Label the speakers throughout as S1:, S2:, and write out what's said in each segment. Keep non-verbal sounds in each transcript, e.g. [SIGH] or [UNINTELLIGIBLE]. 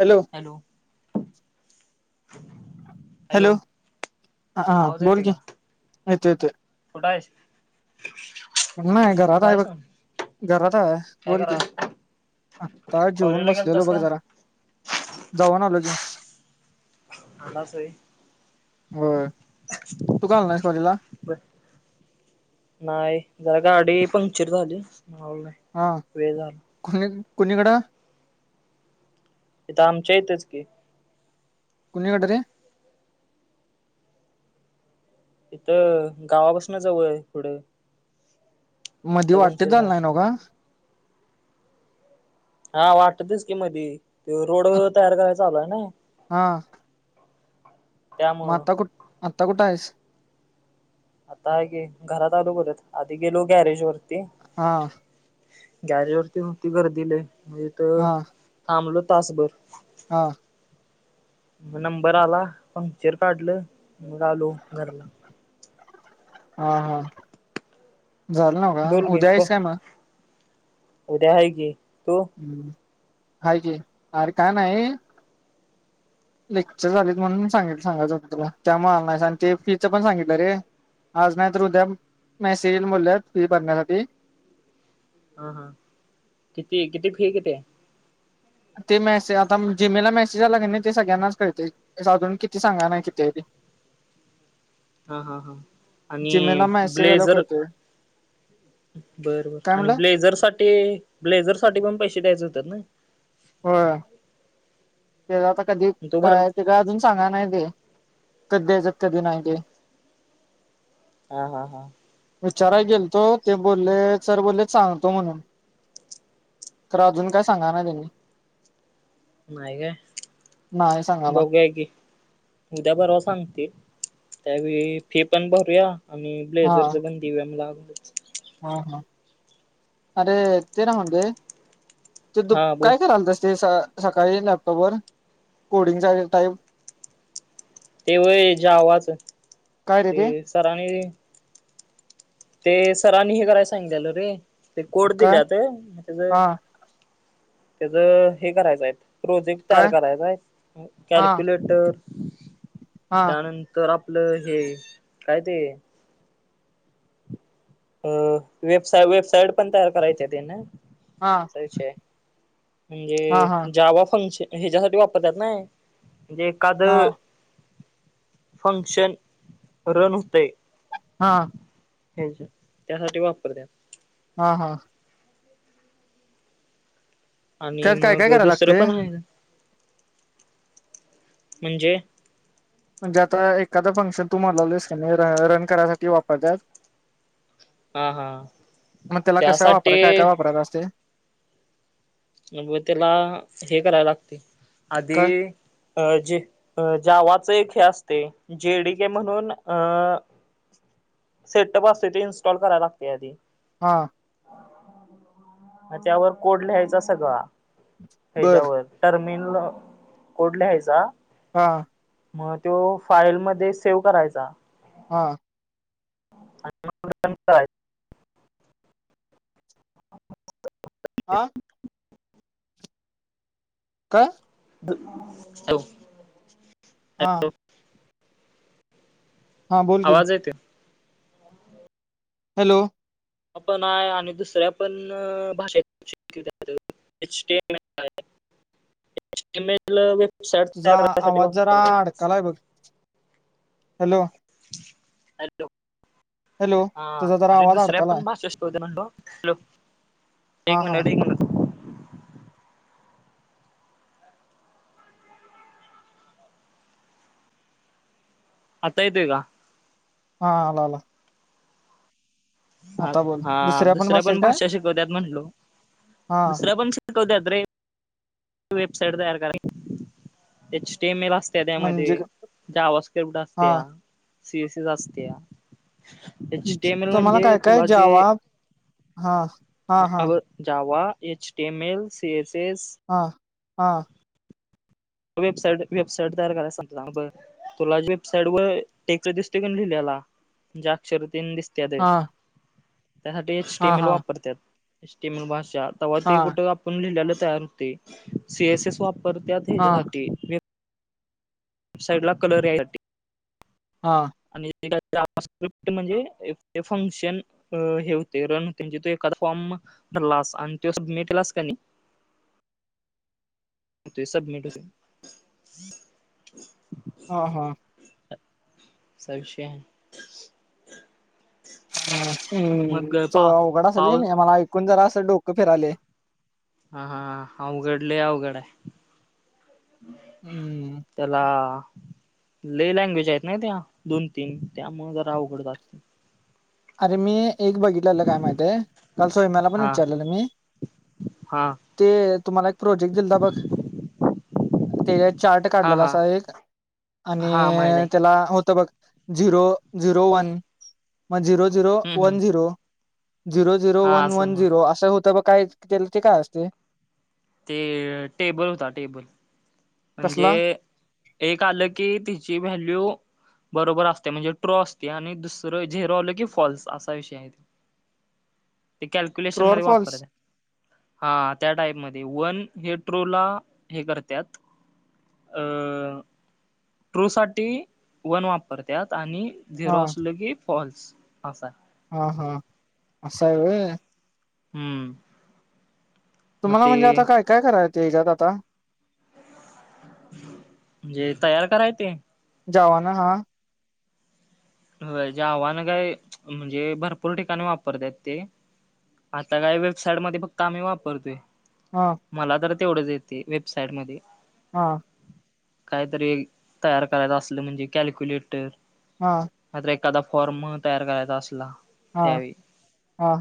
S1: Hello.
S2: Hello. [INAUDIBLE]
S1: Hello, हा बोल की येतोय येतोय!
S2: कुठ आहेस?
S1: नाही घरात
S2: कुठं
S1: आहे बघ,
S2: आहेस म्हण?
S1: घरात आहे
S2: काय
S1: बोल की.
S2: करालाय?
S1: आता जेऊन
S2: कॉलेजला
S1: बसलेलो
S2: गेलतास
S1: बघ
S2: का?
S1: जरा जावन आलो जे.
S2: आलास व्हय!
S1: होय तू का आला नाहीस कॉलेजला
S2: नाही जरा गाडी पंक्चर झाली.
S1: हा,
S2: वेळ झाला.
S1: कोणी कोणीकड?
S2: इथे आमच्या इथेच की.
S1: कुणीकडे रे?
S2: इथं, गावापासून जवळ पुढं.
S1: मध्ये
S2: इथं
S1: वाटते
S2: पंक्चर
S1: जालनय
S2: झाली.
S1: हो गा.
S2: हा वाटतस की मध, ते रोड व तयार करायचा चालू आहेना.
S1: हा.
S2: [INAUDIBLE]
S1: मग आता कुठ आता कुठं आहेस?
S2: आता आहे की, घरात आलो परत आधी गेलो गॅरेज वरती.
S1: हा.
S2: गॅरेजवर होती गर्दी लय, तिथ
S1: हा
S2: थांबलो तासभर.
S1: हा.
S2: मग नंबर आला, पंक्चर काढलं मग आलो घरला.
S1: हा हा, झालं नव का
S2: बोल गे हो
S1: उद्यास आहे मग?
S2: उद्या आहे की, तू?
S1: ह् हा क, अर का नाही. लेक्चर झालीत म्हणून मी सांगित सांगायच होतं तुला त्यामुळे आणायचं आणि ते फीच पण सांगितलं रे. आज म त उदय, मेसेज येईल बोलल फी बरण्यासाठी.
S2: ह हा, किती किती फी किती?
S1: ते मेसे आता जीमेलला मेसेज आला के नाही, ते सगळ्यांनाच कळते. साधून, किती सांगा ना कितीरी.
S2: हा हा हा आणि
S1: जिमेला मेसेज आल्यावर
S2: ब्लेझर
S1: कळतंय
S2: बर बर
S1: काय
S2: आणि
S1: म्हणला
S2: ब्लेझर साठी, ब्लेझर साठी पण पैसे द्यायचे होतात ना?
S1: हो, ते आता कधी
S2: तो भरल
S1: काय ते का अजून सांगा नाही ते. कधी द्यायचे, आणि कधी नाही.
S2: ह हा हा.
S1: विचाराय गेलतो, ते बोलले सर बोलले सांगतो म्हणून. तर अजून काय सांगा ना त्यांनी.
S2: नाही ग,
S1: नाही सांगाला
S2: बघुया की उद्या बरवा सांगते त्यावेळी फी पण भरूया आणि
S1: हा
S2: ब्लेजरच पण [UNINTELLIGIBLE]
S1: हा हा, अरे ते राहून दे. ते तु
S2: हा बोल
S1: काय करत? असते सकाळी लॅपटॉप वर कोडिंगचा टाईम.
S2: तेव, जावाचं
S1: काय रे
S2: ते
S1: ते
S2: सरांने ते सरांनी हे करायला सांगितलं, रे ते कोड दिले
S1: काय
S2: होते.
S1: हा
S2: त्याचं, हे करायचंय. प्रोजेक्ट
S1: काय
S2: तयार करायचा आहे,
S1: हा
S2: कॅल्क्युलेटर
S1: हा
S2: त्यानंतर तर आपलं हे काय ते अ, वेबसा वेबसाईट पण तयार करायची ते ना?
S1: हा
S2: वि आहे
S1: हा हा
S2: म्हणजे जावा फंक्शन ह्याच्यासाठी वापरत्यात नई म्हणजे एखाद
S1: हा
S2: फंक्शन, रन होते.
S1: हां.
S2: [UNINTELLIGIBLE] त्यासाठी वापरत्या
S1: हा, हा
S2: आणि
S1: त्यात काय काय
S2: मग,
S1: करायला
S2: दुसरं
S1: लागते
S2: पण आहे म्हणजे
S1: म्हणजे, आता एखादा फंक्शन तुम्हाला लय रन करायसाठी वापरतात
S2: हा हा
S1: मग त्याला कशा वापरा, काय
S2: त्यासाठी
S1: काय वापरायात असते
S2: मग त्याला, हे कराला लागते आधी
S1: काय
S2: अ जे अ जावाचे एक हे असते, जेडी केे म्हणून अ सेटअप असतते, ते इनस्टॉल कराय लागते आधी
S1: हा.
S2: त्यावर कोड लिहायचा सगळा,
S1: बर
S2: हच्यावर टर्मिनल कोड लिहायचा.
S1: हा.
S2: मग तो फाईलमध्ये सेव्ह करायचा.
S1: हा.
S2: आणि मग काय [UNINTELLIGIBLE]
S1: हा. काय?
S2: हॅलो.
S1: हा. हां, बोल की!
S2: आवाज येते
S1: हॅलो!
S2: पण आहे आणि दुसऱ्या पण भाषे [UNINTELLIGIBLE] एचम एच एम एल वेबसाइट तयार करण्यासाठी वापरत्यात.
S1: अडकलाय बघ हॅलो!
S2: हे [INAUDIBLE] हॅलो,
S1: हॅलो
S2: ह
S1: तुझा जरा
S2: अरे
S1: आवाज अडकालाय
S2: दुस्रेपण भाषा [UNINTELLIGIBLE] एक
S1: हा हा
S2: मिनट, एक मिनट आता येतोय का?
S1: हा आला आला
S2: ह
S1: आता बोल
S2: हा दुसऱ्या
S1: भाषेत
S2: पण
S1: काय
S2: भाषा शिकवत्यात म्हटलो
S1: हा
S2: दुसऱ्या पण शिक शिकवतात रे, वेबसाईट तयार कराय [UNINTELLIGIBLE] त्या त्यामध्ये,
S1: म्हणजे
S2: जावास्क्रिप्ट
S1: हा
S2: असत्या सीसस असत्या एच डी एमल म्ह
S1: म काय काय, जावा हा हा
S2: ह
S1: हा
S2: अ Java, H M L, C S S.
S1: हा हा.
S2: वेबसाईट वेबसाईट तयार करायला सांगतात हा बर. तुला वेबसाईट वर टेक दिसते की लिहिलेला मज्या अक्षरतेन दिस त्या दे
S1: हा
S2: त्यासाठी
S1: हा
S2: स्टीमल
S1: हा
S2: वापरत्यात सस्टीमल भाषा तेव्हा
S1: हा
S2: ते कुठे पण लिहिल्याला तयार होते सी एस एस वापरत्यात
S1: हा
S2: हेज्यासाठी साईड ला कलर यायसाठी
S1: हा.
S2: आणि म्हणजे [UNINTELLIGIBLE] फंक्शन अ हे होते रन होते, म्ह तो एखादा फॉर्म भरलास आणि तो सबमिटलास का नाही. ते सबमिट होते.
S1: हा हा.
S2: स विषय
S1: हम्म
S2: मग
S1: तो
S2: पा
S1: अवघड असल की
S2: पाव
S1: नाही मला ऐकून जरा असं डोकं फिरायले.
S2: हा हा, अवघडले अवघड आहे.
S1: हम्म.
S2: त्याला लई लँग्वेज आहेत ना त्या दोन तीन त्यामुळे जरा अवघडतात.
S1: अरे मी एक बघित ल्याला काय माहितय काल सोयम्याला पण
S2: हा
S1: विचारलं मी.
S2: हा
S1: ते तुम्हाला, एक प्रोजेक्ट दिलता बघ ते चार्ट
S2: हा
S1: काढलेला
S2: हा
S1: असा एक, आणि
S2: हा माहित आहे.
S1: त्याला होत बघ. झिरो झिरो वन म zero zero
S2: hmm
S1: one
S2: hmm
S1: zero zero zero
S2: हा
S1: वन
S2: असं
S1: वन
S2: मग
S1: झिरो असं होतं ब काय त्या ते काय असते?
S2: ते टेबल बल म्हणजे,
S1: कसला
S2: एक आलं की तिची व्हॅल्यू बरोबर असते म्हणजे ट्रो असते आणि दुसरं झेरवलं की फॉल्स असा विषय आहेत. ते कॅल्क्युलेशन
S1: ट्रू ऑर
S2: मध्ये
S1: फॉल्स
S2: वापरत! हा त्या टाईपमध्ये वन हे ट्रो ला हे करत्यात. अ ट्रू साठी, वन वापरतात आणि
S1: हा
S2: झिरो असल की, फॉल्स असा
S1: हा हा, असशा वय?
S2: हम्म. मग
S1: तुम्हाला
S2: ते
S1: म्हणजे आता काय-काय कराय ते हेज्यात आता?
S2: जे तयार कराय ते
S1: जावाना हा.
S2: जे आव्हानं काय म्हणजे भरपूर ठिकाणी वापरत्यात ते. आता काय वेबसाईटमध्ये फक्त आम्ही वापरतोय
S1: हां
S2: मला तर तेवढंच येते वेबसाईट मध्ये.
S1: हा.
S2: काहीतरी, तयार करायचं असलं म्हणजे कॅल्क्युलेटर.
S1: हा.
S2: काहीतरी एखादा फॉर्म तयार करायचा असला.
S1: हा
S2: त्यावेळी
S1: हा.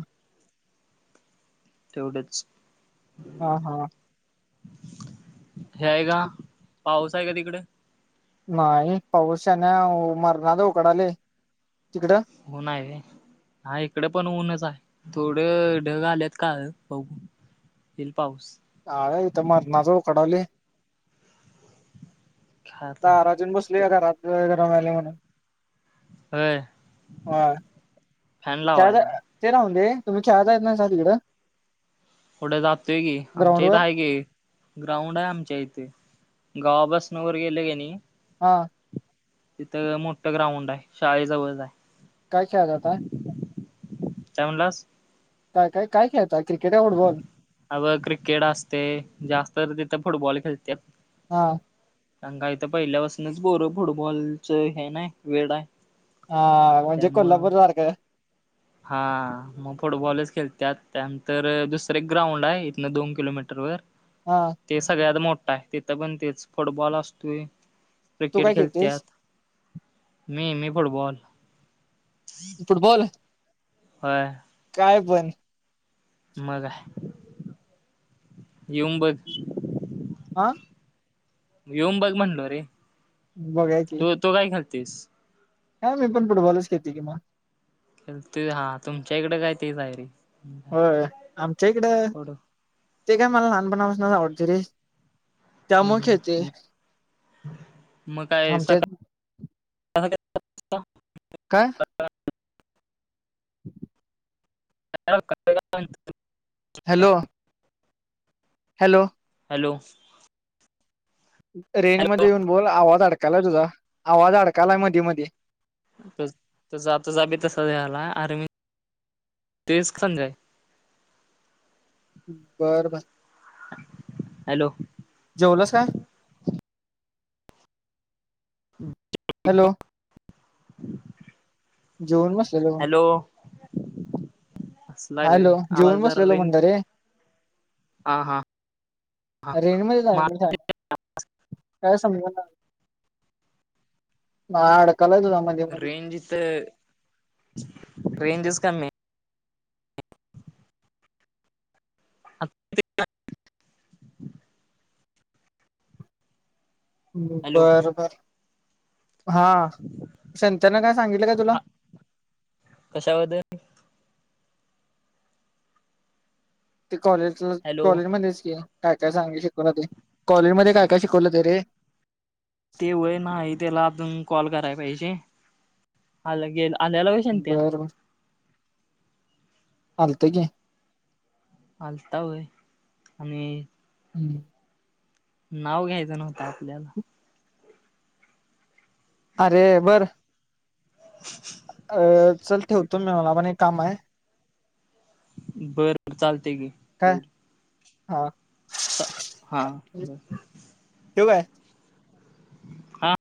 S2: तेवढंच!
S1: हा हा.
S2: हे आहे का, पाऊस आहे का तिकडं?
S1: नाही पाऊस यानं मरणा उकडालंय, तिकडं?
S2: हो ना, आहे र. हा इकडे पण ऊनच आहे थोडं ढग आलेत काळं बघु. तील पाऊस
S1: आर इथं मरणाचं उकडायलंय.
S2: काय आता
S1: दारात येऊन बसलूया, घरात लय गरम व्हायलंय म्हणून.
S2: होय
S1: हा
S2: फॅन
S1: काय त्या
S2: लावायचा
S1: ते राहून दे [UNINTELLIGIBLE] तिकडं.
S2: पुढं जातोय की,
S1: ग्राउंड
S2: आमच्या इथं
S1: वर
S2: हाय की. ग्राउंड आहे आमच्या इथे, गावापसनं वर गेले का नाही
S1: हा.
S2: तिथं मोठं ग्राउंड आहे, शाळेजवळच हाय.
S1: काय खेळाय जाता?
S2: काय म्हणलास?
S1: काय काय काय खेळताय, क्रिकेट का फुटबॉल?
S2: अ बघ क्रिकेट असतंय, जास्त तिथं फुटबॉल खेळत्यात.
S1: हा.
S2: आणि काय इथं पहिल्या पाासूनच पोरं फुटबॉलच हे हाय नाय, वेळ हाय.
S1: आं म्हणजे कोल्हापूर सारखं.
S2: हा मग फुटबॉलच खेळत्यात, त्यानंतर दुसरं एक ग्राउंड आहे, इथनं दोन किलोमीटर वर.
S1: हा.
S2: ते सगळ्यात मोठा आहे, तिथंपण तेच फुटबॉल असतोय,
S1: तू
S2: क्रिकेट
S1: काय
S2: खेळत्यात.
S1: खेळतेस
S2: मी, मी फुटबॉल.
S1: फुटबॉल
S2: होय.
S1: काय पण.
S2: मग हाय, येऊन बघ.
S1: हां.
S2: येऊन बघ म्हणलो रे.
S1: बघायची
S2: तू तू काय खालतीस?
S1: नाय मी पण फुटबॉलच खेळतेकि म.
S2: ते हा तुमच्या इकडे काय तेच हायरे.
S1: होय, आमच्या इकडं ते काय मला लहानपणापासनच आवडतंय रे.
S2: हम्म
S1: त्यामुळे
S2: हम्म
S1: खेळते
S2: हम्म मग काय
S1: आमच्या
S2: सकाळ
S1: काय? [INAUDIBLE]
S2: [UNINTELLIGIBLE]
S1: हॅलो. हॅलो.
S2: हॅलो.
S1: रेंज मध्ये
S2: हॅलो
S1: येऊन बोल, आवाज अडकालाय तुझा. आवाज अडकालाय मधी मधी.
S2: [UNINTELLIGIBLE] आता जा बी तसं याला, आर्मी तेच खंज आहे.
S1: बर बर.
S2: हॅलो.
S1: जेवलास काय? हॅलो, जेवलास?
S2: हॅलो. असला रे
S1: हॅलो,
S2: आवाज
S1: जेवून
S2: जरा
S1: बसलेलो
S2: रेंज
S1: म्हनलरे.
S2: हा हा हा
S1: रेंजमध्येच आहे
S2: मा
S1: मी छान. काय समजणार, ह अडकला त होझ म्ह
S2: रेंज इथं रेंजच कमी आहे. [UNINTELLIGIBLE] हॅलो
S1: बर बर, हा संतन काय सांगितलं का तुला?
S2: कशामध्ये?
S1: ते कॉलेजला
S2: हॅलो
S1: कॉलेजमध्येध्येच की, काय काय सांगे शिकवलं ते, कॉलेज मध्ये काय काय शिकवलं ते रे?
S2: ते वय नाही, त्याला अजून कॉल करायला पाहिजे आलं गेला.
S1: बर बर, आलतं गी!
S2: हलता वय, आणि
S1: हम्.
S2: नाव घ्यायचं नव्हतं आपल्याला!
S1: अरे बर.
S2: [INAUDIBLE]
S1: अ चल ठेवतो मी, मला पण एक काम आहे.
S2: बर, चालते गे
S1: काय
S2: तेवढ.
S1: हा.
S2: हा, बर.
S1: ठेव काय?
S2: हा